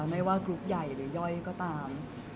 ไม่ว่ากรุ๊ปใหญ่หรือย่อยก็ตาม